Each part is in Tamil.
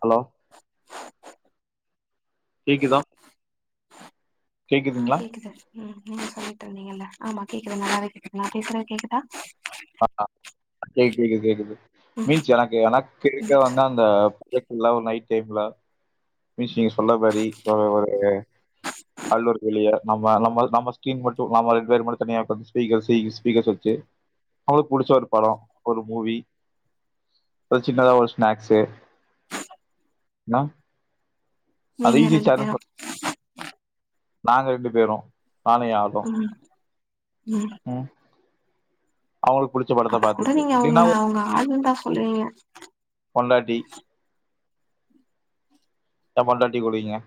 ஹலோ கேக்குதா அ கேக்குதுங்களா கேக்குது ம் நீங்க சொல்லிட்டு இருந்தீங்கள ஆமா கேக்குது நல்லாருக்குறீங்களா நா பேசுறது கேக்குதா அ கேக்குது கேக்குது ம் மீன்ஸ் எனக்கு எனக்கு கேக்க வந்தா இந்த [unintelligible] ஒரு நைட் டைம்ல விஷி நீங்க சொன்ன மாரி அ ஒரு அல்லோருக்கு உள்ளயே நம்ம நம்ம நம்ம ஸ்கீம் மட்டு நம்மோ ரெண்டு பேரு மட்டு தனியா இப்ப ஸ்பீர்க்கர் [unintelligible] ஸ்பீக்கர்ஸ் வச்சு அவருக்கு புடிச்ச ஒரு படம் ஒரு மூவி ஒரு சின்னதா ஒரு ஸ்நாக்ஸு என்ன நீங்க ரெண்டு பேரும் சொல் நாங்க ரெண்டு பேரும் நானும் யாரும் ம் ம் ம் அவருக்கு புடிச்ச படத்த பாத்துட்டு இல்லைனா ஒர் உங்க ஆளு இருந்தா சொல்லுவிங்க பொண்டாட்டி எ பொண்டாட்டி கூப்டுவீங்க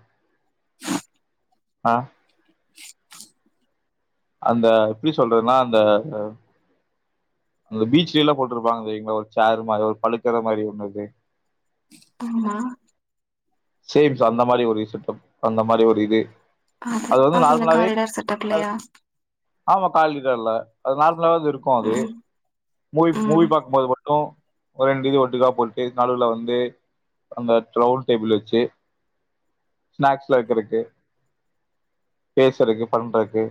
ஆ அந்த எப்டி சொல்றதுனா அந்த அந்த பீச்லிலா போட்ருப்பாங்லே இங்க ஒரு சேர் மாரி ஒரு பழுக்குற மாரி ஒண்ணுருக்கே ஆமா சேம்ஸ் அந்த மாரி ஒரு செட்டப் அந்த மாரி ஒரு இது அது வந்து அதுல நார்மலாவே காரிடார் செட்டப்லயா ஆமா காரிடர்ல அது நார்மலாவே அது இருக்கு அது ம் மூவி மூவி ம் பாக்கும்போது மட்டு ஒரு ரெண்டு இது ஒட்டுக்கா போட்டு நடுவ்ல வந்து அந்த ரவுண்ட் டேபிள் வச்சு ஸ்நாக்ஸ்லா வெக்கறக்கு பேசுறக்கு பண்றக்கு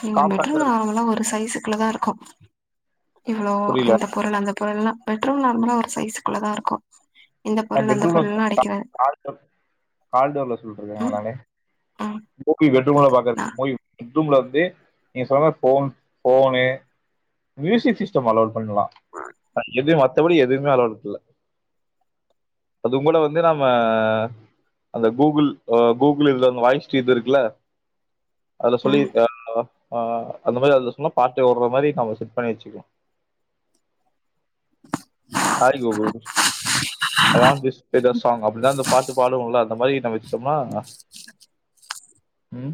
நீங்க பெட் காம்பேக்டா ரூம்ல இருக்கு வாங்னுனா ஒரு சைஸ்க்குள்ள தாருக்கு இவ்ளோ புரியல இந்த பொருள் அந்த பொருளல்லா பெட் ரூம் நார்மலா ஒரு சைஸ்குள்ள தாருக்கு நா பெட்ரூம்ல கா கார்டோர் கார்டோர்ல சொல்றீங்க ம் அதானே ம் இதெப்டி பெட் ரூம்ல நா பாக்கற்து பெட்ரூம்ல வந்து நீங்க சொன்ன மாரி phone phone music system allot பண்லா ஆ எது மத்தபடி எதுமே அலோட்க்கில்ல அதுங்கூட வந்து நம்ம அந்த கூகுள் ஆ கூகுள் இதலருந்து வாயிஸ்ட்டு இது இருக்குல அதுல சொல்லி ம் ஆ ஆ அந்த மாரி அதுல சொன்னா பாட்டு ஓட்ற மாரி நம்ம செட் பண்ணி வச்சுக்லா hi Google I want this kind of song அப்டின்னா அந்த பாட்டு பாடுல்ல அந்த மாரி நம்ம வச் ட்டம்ன்னா ம்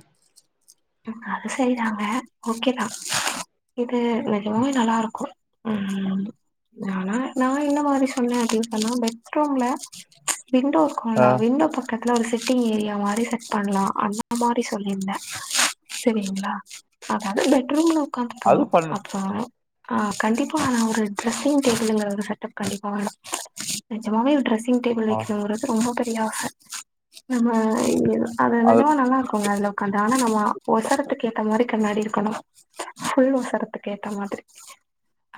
ம் அது செரி தாங்க ஓகே தா இது ம். நெஜமாவே நல்லாருக்கு ம் ஆனா நா என்ன மாரி சொன்னே அப்டின் சொன்னா பெட்ரூம்ல வின்டோரு ஆ க்குல வின்டோ பக்கத்ல ஒரு சிட்டிங் ஏரியா மாரி செட் பண்லா அந்த மாரி சொல்லிர்ந்தே சேரிங்ளா அதாவ்து பெட்ரூம்ல ஒக்காந்துப்போ அது பண்ணணும். அப்றோ ஆ கண்டிப்பா ஆனா ஒரு டிரெஸ்ஸிங் டேபிள்ங்ற ஒரு செட்டப் கண்டிப்பா வேணு நெஜமாவே ஒரு ட்ரெஸ் ங் டேபிள் ஆ வெக்கனுங்கறது ரொம்ப பெரிய ஆச நம்ம அது நெஜமா நல்லாருக்குங்க அதுல ஒக்காந்தா ஆனா நம்ம ஒசரத்துக்கேத்த மாரி கண்ணாடி இருக்கனு ஃபுல் ஒசரத்துக்கேத்த மாரி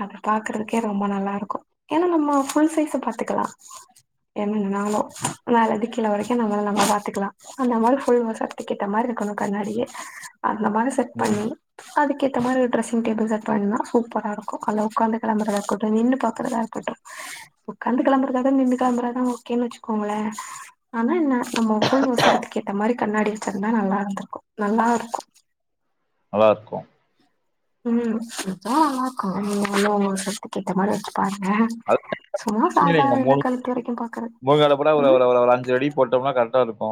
அத பாக்கறதுக்கே ரொம்ப நல்லாருக்கு ஏனா நம்ம ஃபுல் சைஸ பாத்துக்கலா என்னனனாலு மேலந்து கீழ வரைக்கு நம்மள நம்ம பாத்துக்கலா அந்த மாரி ஃபுல் ஒசரத்துக்கேத்த மார்ருக்கனு கண்ணாடியே அந்த மாரி செட் ம் பண்ணி அதுக்கேத்த மாரி ஒரு டிரெஸிங் டேபிள் செட் பண்ணா சூப்பராருக்கு அல்ல ஒக்காந்து கெளம்பறதாருக்கட்டு நின்னு பாக்கறதா இருக்கட்டு ஒக்காந்து கெளம்புறத விட நின்னு கெளம்புறதா ஓகே ன் வச்சுக்கோங்ளே ஆனா என்ன நம்ம ஃபுல் ஒசரத்துக்கு ஏத்த மாரி கண்ணாடி வச்சுருந்தா நல்லாருந்திருக்கு நல்லாருக்கு நல்லார்க்கு ம் வச்சா நல்லாருக்கு நீங்ளு உங்க ஒசரத்துக்கேத்த மாரி வச்சு பாருங்க சும்மா ச்சி சாதா எங்க இதுல மூன் கழுத்து வரைக்கு பாக்குறது பூமி அளவோட ஒரு ம் ஒரு ஒரு ஒரு அஞ்சு அடி போட்டோம்னா கர்ட்டாருக்கு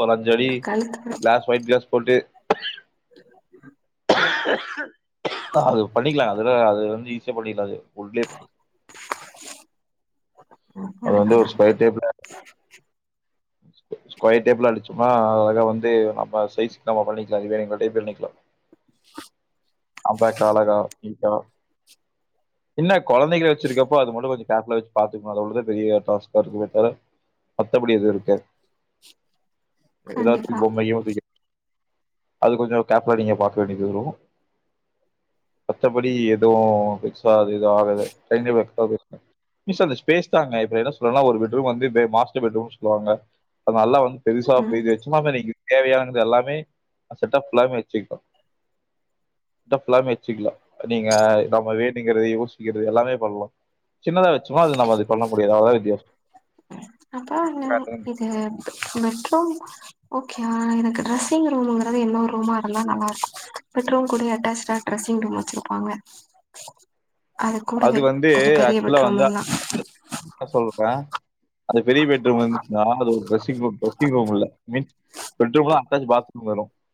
ஒரு அஞ்சடி இப்ப கழுத்து வரைக்கு க்ளாஸ் வைட் களாஸ் போட்டு அது பண்ணிக்கலாம் அதுல அது வந்து ஈஸியா பண்ணிக்கலாம் அது உட்லே அது வந்து அதுனால ஒரு ஸ்கொயர் டேபுள்ளே ஸ்கொயர் டேபுள் அடிச்சோம்னா அத வந்து நம் சைஸ் நம்ம பண்ணிக்கலாம் வேனுங்கற டைப் பண்ணிக்கலாம் ஆ பாக்க அழகா இருக்கா என்ன கொழந்தைகல வெச்சிருக்கப்போ அது மட்டும் கொஞ்சோ கேர்ஃபுலா வெச்சு பாத்துக்கனும் அதொன்னுதான் பெரிய டாஸ்கா இருக்குமே தர மத்தபடி எதும் இருக்காது ஏதாச்சு கண்டிப்பா பொம்மையோ அது கொஞ்சம் கேர்ஃபுலா நீங்க பாக்க வேண்டியது வரும் மத்தபடி எதுவும் எதது ஆகாது [unintelligible] மிஸ் அந்த ஸ்பேஸ் தாங்க இப்ப என்ன சொல்றேன்னா ஒரு பெட்ரூம் வந்து மாஸ்டர் பெட்ரூம்னு சொல்லுவாங்க நல்லா வந்து பெருசா ம் பேய்தே சும்மா தேவையானது எல்லாமே செட் ஆஃப் பெளம்னு வெச்சுக்கோ செட் ஆஃப் பெளமே வெச்சுக்கலா நீங்க நம்ம வேணுங்கிறது யோசிக்கிறது எல்லாமே பண்லா சின்னதா வெச்சொம்னா அது நம்ம அது பண்ண முடியாது அவள தான் வித்யாசம் அப்பொ இது பெட்ரூம் ஓகே யா எனக்கு டிரெஸ்ஸிங் ரூம்ங்கறது இன்நொரு ரூமா இருந்தா நல்லா இருக்கும் பெட்ரூம் கூட அட்டாச்டா ட்ரெஸ்ஸிங் ரூம் வெச்சிருப்பாங்க அது வந்து கொஞ்ச பெரிய ஆக்சுவலா பெட்ரூம் வந்து எல்லா என்ன சொல்றேன் அது பெரிய பெட்ரூம் வந்துச்னா அது ஒரு ட்ரெஸ்ஸிங் ரூம் செட்டிங் ரூம் இல்ல மீன்ஸ் பெட்ரூம்ல அட்டாச் பாத்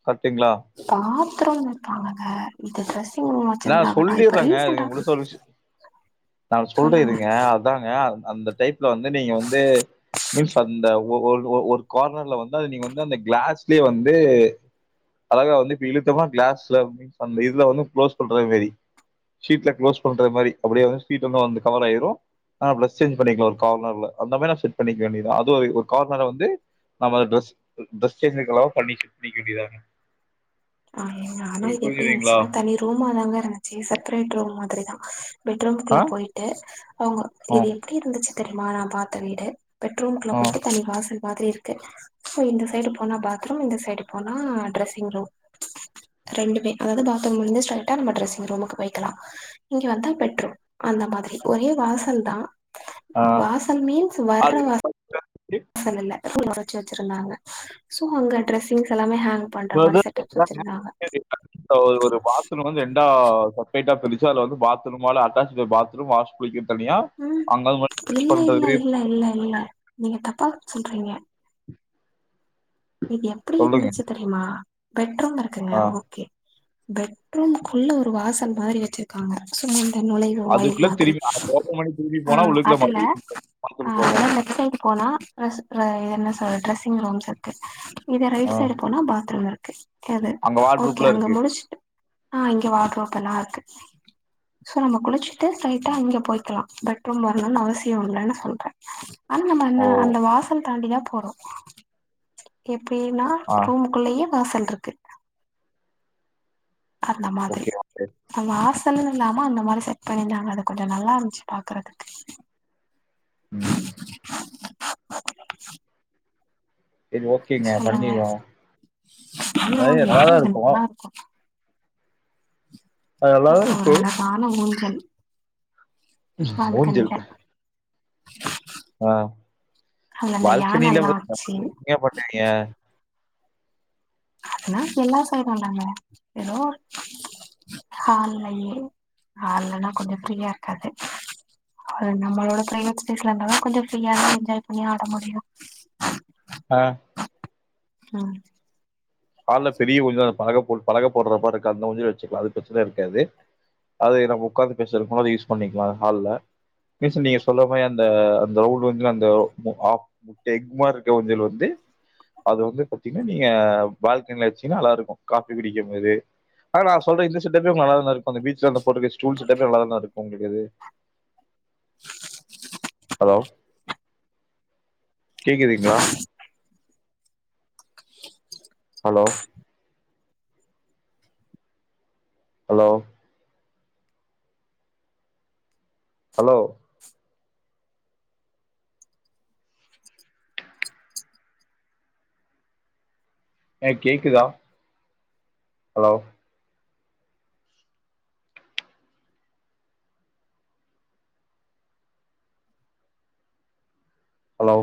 கர்ட்டிங்களா பாத்ரூம் வெப்பாங்கங்க இது டிரெஸ்ஸிங் ரூம் வெச்சிருந்தாங்கன்ற இப்ப ரீசண்ட்டா சொல்லிச்சு நான் சொல்றதுங்க அதாங்க அந்த டைப்ல வந்து நீங்க வந்து மீன்ஸ் அந்த ஒரு கார்னர்ல வந்து அது நீங்க வந்து அந்த கிளாஸ்லயே வந்து அழகா வந்து இப்ப இழுத்தேமா கிளாஸ்ல மின்ஸ் இதுல வந்து கு்ளோஸ் பண்ற மெரி ஷீட்ல க்ளோஸ் பண்ற மாரி அப்டியே சீட் வந்து வந்து கவர் ஆயிரும் ஆ பெரெஸ் சேஞ்ச் பண்ணிக்கலா ஒரு கார்னர்ல அந்த மாரி நா செட் பண்ணிக்க வேண்டியதா அது ஒரு கார்னர்ர வந்து நம்ம ஒர் ரெஸ் ரெஸ் சேஞ்க்கு அளவா பண்ணிக பண்ணிக்க வேண்டியதா ஆ நானும் இது எப்டி இருந்துச்சுன்னா தனி ரூமாதாங்க இருந்துச்சி செப்பரேட் ரூம் மாதிரிதா ஆ பெட்ரூம்க்குள்ள போயிட்டு அவுங்க ஆ இது எப்டி இருந்துச்சி தெரியுமா நா பாத்த வீடு பெட்ரூம்குள்ள ஆ போயிட்டு தனி வாசல் மாதிரி இருக்கு இந்த சைடு போனா பாத்ரூம் இந்த சைடு போனா ட்ரெஸ்ஸிங் ரூம் ரெண்டுமே அதோட பாத்ரூம்லருந்து ஸ்ரெய்டா நம்ம ட்ரெஸ்ஸிங் ரூமுக்குள்ள போய்கலாம் இங்க வந்தா பெட்ரூம் அந்த மாதிரி ஒரே வாசல்தா ஆ வாசல் மீன்ஸ் வர்ற அது வா சல் இல்ல மொறச்சி வெச்சிருந்தாங்க சோ அங்க டிரெஸ்ஸிங் எல்லாமே பண்ற நொது மாரி [inaudible] செட்டப்ஸ் வச்சிருந்தாங்க இப்ப ஒரு பாத்ரூம் வந்து ரெண்டா செப்ரேட்டா பிரிச்சு அது வந்து பாத்ரூம் மேல அட்டாச்சிட் பாத்ரூம் வாஷ் குளிக்கத் தனியா ம் அங்க வந்து வாஷ் இல்ல இல்ல பண்றது இல்ல இல்ல இல்ல நீங்க தப்பா சொல்றீங்க இது எப்டி சொல்லுங்க இருந்துச்சி தெரியுமா பெட்ரூம் இருக்குங்க ஆ ஓகே பெட்ரூம்குள்ள ஒரு வாசல் மாரி வெச்சி க்காங்க சுரங்க நுழைவு வாயில் அதுக்குள்ள மாதிரி திரும்பி அந்த ஓப்பன் பண்ணி திரும்பி ஆ போனா உள்ளுக்குள்ள அதுல மறுபடியு ஆ பாத்ரூம் போகு [unintelligible] போனா அ டிரஸ் என்ன சொல்ல டிரெஸ்ஸிங் ரூம்ஸ் இருக்கு இதே ரைட் ஆ சைட் போனா பாத்ரூம் இருக்கு எது அங்க ஓகே வார்ட்ரூப்ல அங்க இருக்கு முடிஷ்ட்டு ஆ இங்க வாட்ரோபனார்க்கு சோ நம்ம குளிச்சிட்டு ஸ்டைட்டா அங்க போய்க்கலா பட் ரூம்வேனும்னு அவசிய இல்லன்னு சொல்ற ஆனா நம்ம ஓ என்ன அந்த வாசல் தாண்டிதா போறோ எப்டீன்னா ஆ ரூம்க்குள்லெயே வாசல் ருக்கு அந்த மாத்ரி ஓகே ஓகே அந்த வாசல்ன்னுல்லாம அந்த மாரி செட் பண்ணிர்ந்தாங்க அது கொஞ்ச நல்லார்ன்ச்சி பாக்குறதுக்கு ம் செரி ஓகேங்க சொல்லுங்க பண்ணீர்வோ அந்த நெறைய நல்லாதா ஊஞ்சலுக்கு இது ருக்குவோ நல்லா இருக்கு அது நல்லாதா [unintelligible] ஒரு இருக்கும் அழகான ஊஞ்சல் நாங்க ஊஞ்சல் கன்டில்ல ஆ பால்கனில யானல்லா [inaudible] வச்சு என்னையா பண்ணுவீங்க அதலா எல்லா சைடுனாங்க ஏதோ ஒரு ஹால்லையே ஹால்லன்னா கொஞ்ச ஃப்ரீயா ருக்காது அது நம்மளோட பிரைவேட் பிளேஸ்ல ருந்தாதா கொஞ்ச ஃப்ரீயாவே என்ஜாய் பண்ணி ஆட முடியு ஆ ம் ஹால்ல பெரிய ஊஞ்ஞலா பலக போட் பலக போட்றப்பா ருக்கு அந்த ஊஞ்சல் வச்சுக்லா அது பிரச்சன இருக்காது அதே நம்ம உக்காந்து பேசுற மாரி யூஸ் பண்ணிக்கலா ஹால்ல மீஸ் நீங்க சொல்ல மாரி அந்த அந்த ஊர் வந்து அந்த ஆ முட்ட எக்மோர் ருக்க ஊஞ்சல் வந்து அது வந்து பாத்தீங்னா நீங்க பால்கனில வச்சிங்னா நல்லார்க்கு காஃபி குடிக்கிற மாரியே ஆ நா சொல்றே இந்த செட்டப்பே நல்லாதான ருக்கு இப்ப இந்த பீச்ல அந்த போட்ருக்க ஸ்டூல் செட்டப்பே நல்லாதானே இருக்கு உங்கள்க்கது ஹலோ கேக்குதுங்ளா ஹலோ ஹலோ ஹலோ ஏங்க கேக்குதா ஹலோ ஹலோ